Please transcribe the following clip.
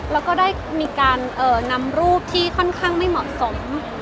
แล้วก็ได้มีการนำรูปที่ค่อนข้างไม่เหมาะสม